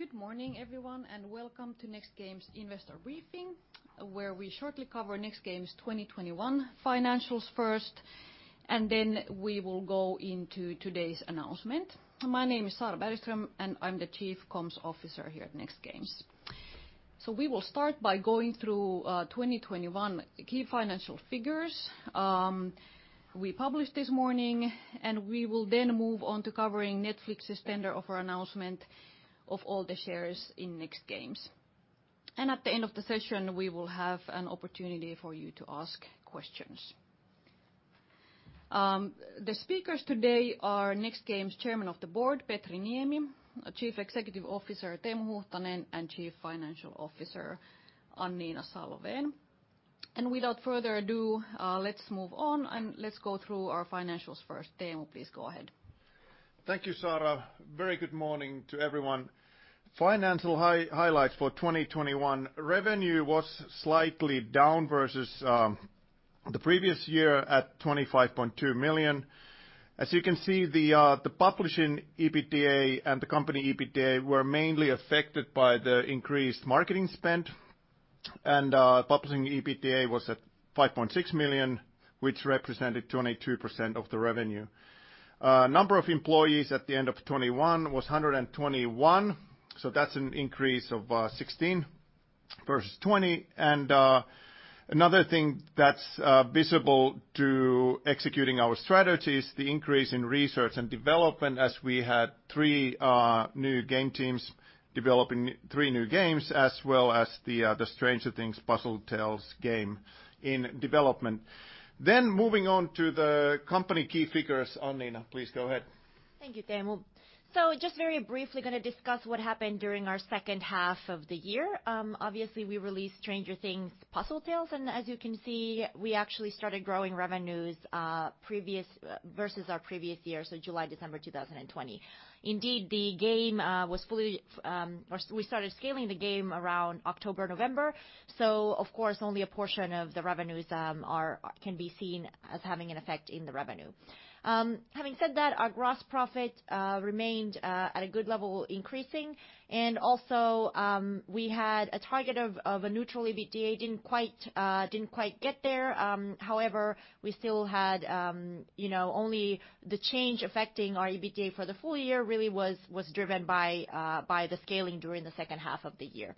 Good morning, everyone, and welcome to Next Games' investor briefing, where we shortly cover Next Games' 2021 financials first, and then we will go into today's announcement. My name is Saara Bergström, and I'm the Chief Comms Officer here at Next Games. We will start by going through 2021 key financial figures we published this morning, and we will then move on to covering Netflix's tender offer announcement of all the shares in Next Games. At the end of the session, we will have an opportunity for you to ask questions. The speakers today are Next Games' Chairman of the Board, Petri Niemi; Chief Executive Officer, Teemu Huuhtanen; and Chief Financial Officer, Annina Salvén. Without further ado, let's move on, and let's go through our financials first. Teemu, please go ahead. Thank you, Saara. Very good morning to everyone. Financial highlights for 2021. Revenue was slightly down versus the previous year at 25.2 million. As you can see, the publishing EBITDA and the company EBITDA were mainly affected by the increased marketing spend. Publishing EBITDA was at 5.6 million, which represented 22% of the revenue. Number of employees at the end of 2021 was 121, so that's an increase of 16 versus 2020. Another thing that's visible in executing our strategy is the increase in research and development as we had three new game teams developing three new games, as well as the Stranger Things: Puzzle Tales game in development. Moving on to the company key figures. Annina, please go ahead. Thank you, Teemu. Just very briefly gonna discuss what happened during our second half of the year. Obviously we released Stranger Things: Puzzle Tales, and as you can see, we actually started growing revenues versus our previous year, so July-December 2020. Indeed, the game or we started scaling the game around October, November, so of course, only a portion of the revenues can be seen as having an effect in the revenue. Having said that, our gross profit remained at a good level increasing, and also we had a target of a neutral EBITDA. Didn't quite get there, however, we still had, you know, only the change affecting our EBITDA for the full year really was driven by the scaling during the second half of the year.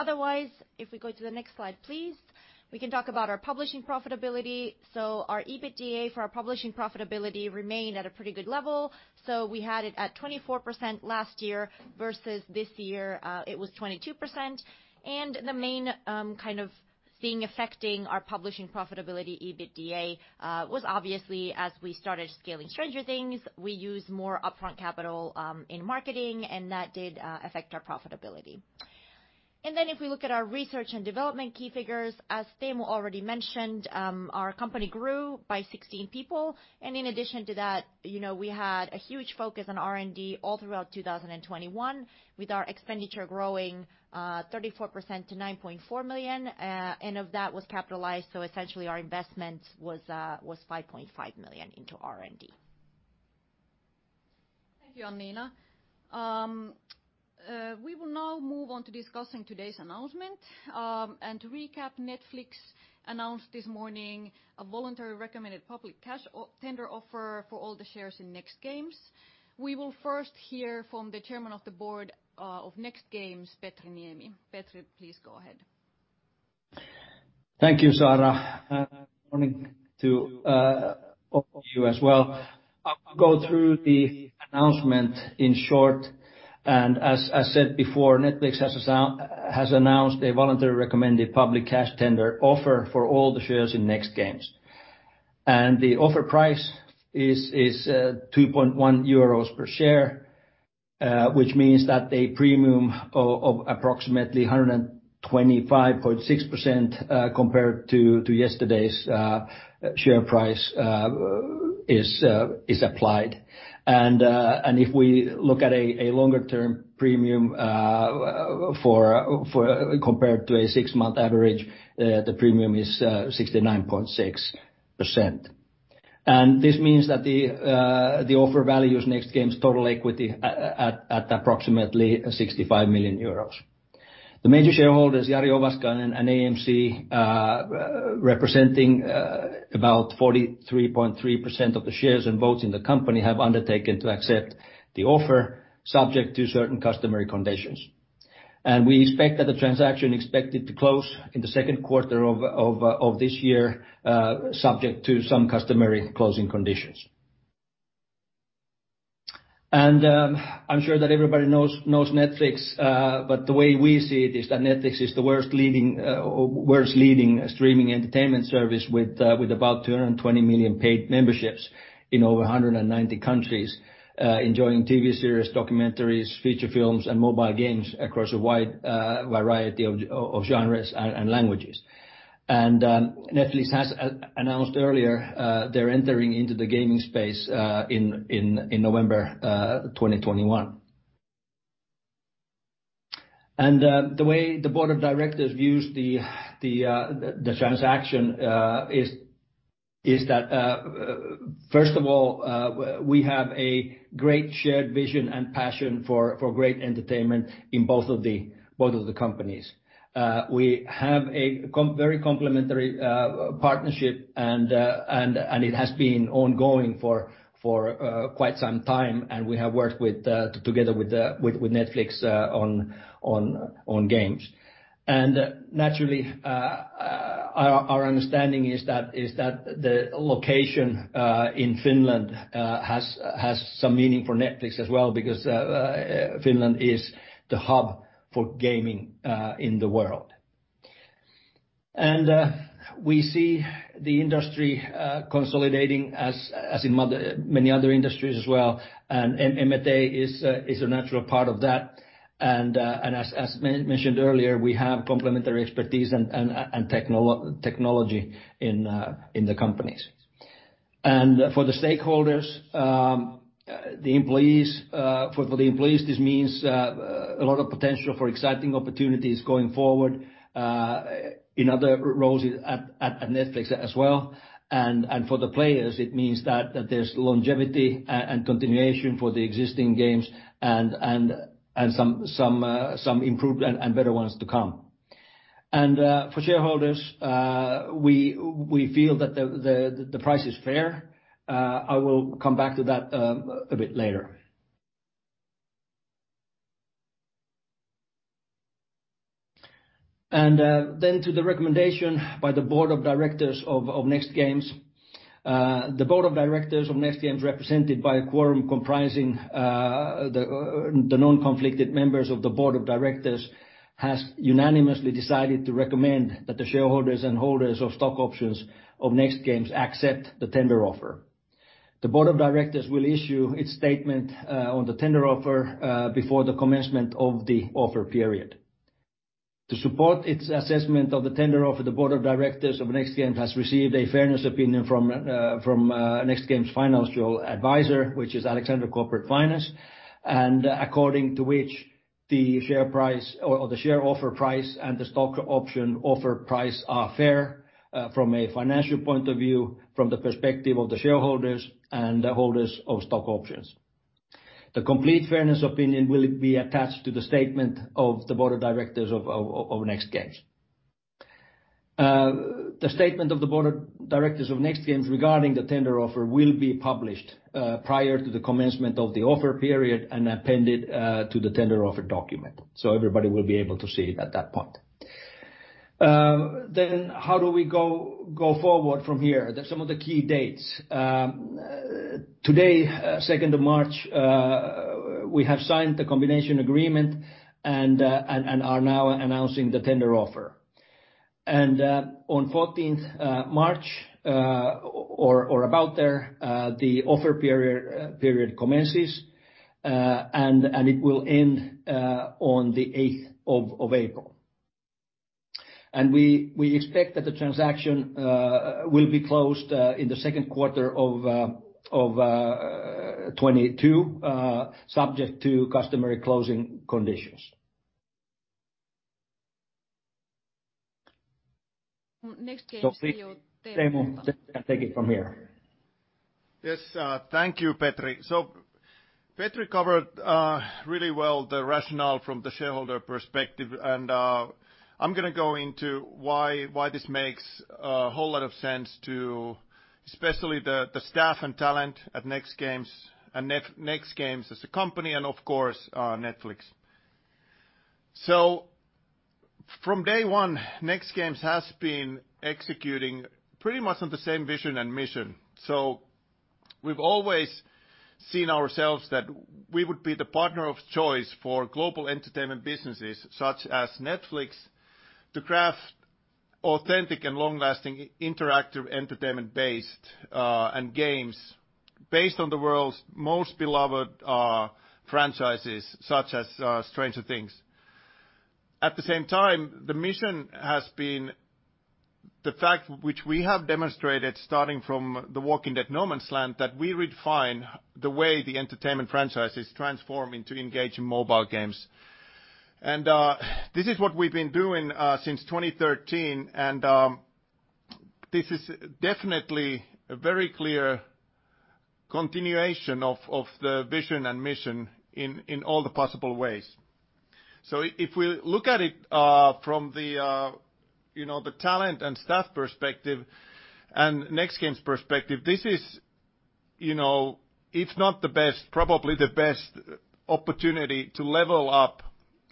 Otherwise, if we go to the next slide, please, we can talk about our publishing profitability. Our EBITDA for our publishing profitability remained at a pretty good level. We had it at 24% last year versus this year, it was 22%. The main kind of thing affecting our publishing profitability EBITDA was obviously as we started scaling Stranger Things, we used more upfront capital in marketing, and that did affect our profitability. If we look at our research and development key figures, as Teemu already mentioned, our company grew by 16 people. In addition to that, you know, we had a huge focus on R&D all throughout 2021, with our expenditure growing 34% to 9.4 million, and of that was capitalized, so essentially our investment was 5.5 million into R&D. Thank you, Annina. We will now move on to discussing today's announcement. To recap, Netflix announced this morning a voluntary recommended public cash tender offer for all the shares in Next Games. We will first hear from the Chairman of the Board of Next Games, Petri Niemi. Petri, please go ahead. Thank you, Saara. Good morning to all of you as well. I'll go through the announcement in short. As said before, Netflix has announced a voluntary recommended public cash tender offer for all the shares in Next Games. The offer price is 2.1 euros per share, which means that a premium of approximately 125.6% compared to yesterday's share price is applied. If we look at a longer-term premium compared to a six-month average, the premium is 69.6%. This means that the offer values Next Games' total equity at approximately 65 million euros. The major shareholders, Jari Ovaskainen and AMC, representing about 43.3% of the shares and votes in the company, have undertaken to accept the offer subject to certain customary conditions. We expect that the transaction expected to close in the second quarter of this year, subject to some customary closing conditions. I'm sure that everybody knows Netflix, but the way we see it is that Netflix is the world's leading streaming entertainment service with about 220 million paid memberships in over 190 countries, enjoying TV series, documentaries, feature films, and mobile games across a wide variety of genres and languages. Netflix has announced earlier, they're entering into the gaming space in November 2021. The way the board of directors views the transaction is that first of all we have a great shared vision and passion for great entertainment in both of the companies. We have a very complementary partnership and it has been ongoing for quite some time, and we have worked together with Netflix on games. Naturally, our understanding is that the location in Finland has some meaning for Netflix as well, because Finland is the hub for gaming in the world. We see the industry consolidating as in many other industries as well, and M&A is a natural part of that. As mentioned earlier, we have complementary expertise and technology in the companies. For the stakeholders, the employees, this means a lot of potential for exciting opportunities going forward in other roles at Netflix as well. For the players, it means that there's longevity and continuation for the existing games and some improved and better ones to come. For shareholders, we feel that the price is fair. I will come back to that a bit later. To the recommendation by the board of directors of Next Games. The board of directors of Next Games, represented by a quorum comprising the non-conflicted members of the board of directors, has unanimously decided to recommend that the shareholders and holders of stock options of Next Games accept the tender offer. The board of directors will issue its statement on the tender offer before the commencement of the offer period. To support its assessment of the tender offer, the board of directors of Next Games has received a fairness opinion from Next Games' financial advisor, which is Alexander Corporate Finance. According to which, the share price or the share offer price and the stock option offer price are fair, from a financial point of view, from the perspective of the shareholders and the holders of stock options. The complete fairness opinion will be attached to the statement of the board of directors of Next Games. The statement of the board of directors of Next Games regarding the tender offer will be published prior to the commencement of the offer period and appended to the tender offer document. Everybody will be able to see it at that point. How do we go forward from here? Some of the key dates. Today, second of March, we have signed the combination agreement and are now announcing the tender offer. On 14th March or about there, the offer period commences, and it will end on the 8th of April. We expect that the transaction will be closed in the second quarter of 2022, subject to customary closing conditions. Next Games CEO Teemu Huuhtanen. Teemu can take it from here. Yes, thank you, Petri. Petri covered really well the rationale from the shareholder perspective. I'm gonna go into why this makes a whole lot of sense to especially the staff and talent at Next Games, and Next Games as a company and of course, Netflix. From day one, Next Games has been executing pretty much on the same vision and mission. We've always seen ourselves that we would be the partner of choice for global entertainment businesses, such as Netflix, to craft authentic and long-lasting interactive entertainment based and games based on the world's most beloved franchises, such as Stranger Things. At the same time, the mission has been the fact which we have demonstrated starting from The Walking Dead: No Man's Land, that we refine the way the entertainment franchises transform into engaging mobile games. This is what we've been doing since 2013. This is definitely a very clear continuation of the vision and mission in all the possible ways. If we look at it from the, you know, the talent and staff perspective and Next Games perspective, this is, you know, if not the best, probably the best opportunity to level up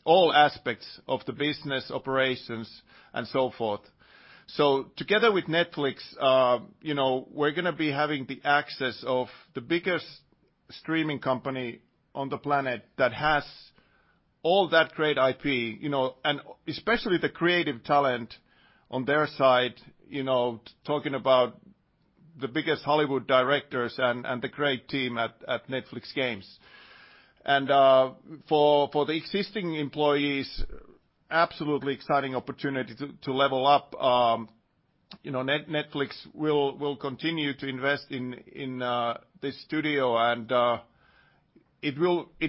all aspects of the business operations and so forth. Together with Netflix, you know, we're gonna be having access to the biggest streaming company on the planet that has all that great IP, you know. Especially the creative talent on their side, you know, talking about the biggest Hollywood directors and the great team at Netflix Games. For the existing employees, absolutely exciting opportunity to level up. You know, Netflix will continue to invest in this studio and it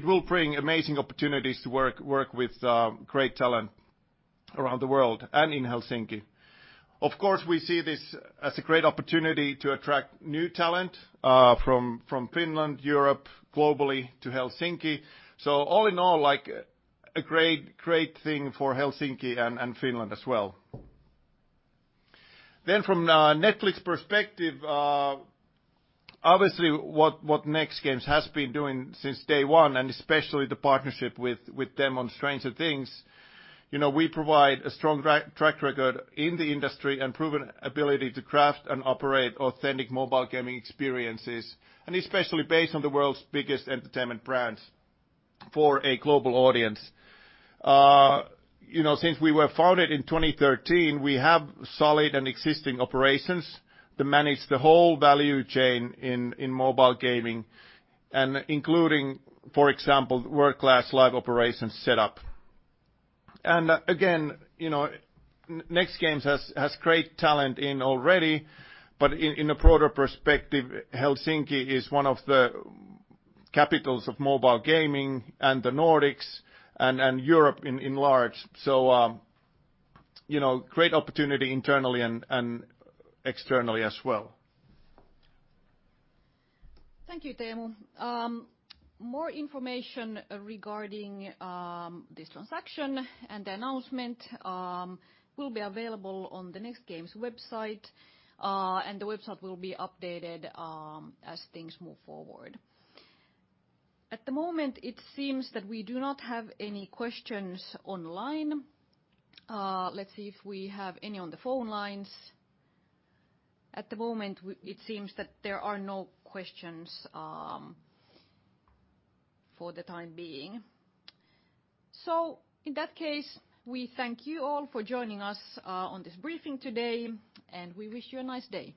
will bring amazing opportunities to work with great talent around the world and in Helsinki. Of course, we see this as a great opportunity to attract new talent from Finland, Europe, globally to Helsinki. All in all, like a great thing for Helsinki and Finland as well. From Netflix perspective, obviously what Next Games has been doing since day one, and especially the partnership with them on Stranger Things, you know, we provide a strong track record in the industry and proven ability to craft and operate authentic mobile gaming experiences, and especially based on the world's biggest entertainment brands for a global audience. You know, since we were founded in 2013, we have solid and existing operations to manage the whole value chain in mobile gaming and including, for example, world-class live operations set up. Again, you know, Next Games has great talent in already, but in a broader perspective, Helsinki is one of the capitals of mobile gaming and the Nordics and Europe in large. You know, great opportunity internally and externally as well. Thank you, Teemu. More information regarding this transaction and the announcement will be available on the Next Games website, and the website will be updated as things move forward. At the moment, it seems that we do not have any questions online. Let's see if we have any on the phone lines. At the moment, it seems that there are no questions for the time being. In that case, we thank you all for joining us on this briefing today, and we wish you a nice day.